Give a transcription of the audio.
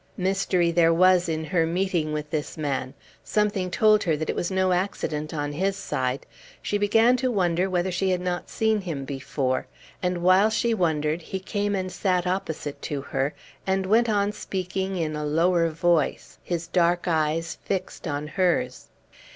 Mystery there was in her meeting with this man; something told her that it was no accident on his side; she began to wonder whether she had not seen him before; and while she wondered he came and sat opposite to her, and went on speaking in a lower voice, his dark eyes fixed on hers.